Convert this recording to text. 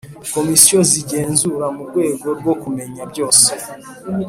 Komisiyo z igenzura mu rwego rwo kumenya byose